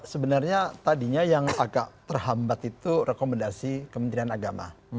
sebenarnya tadinya yang agak terhambat itu rekomendasi kementerian agama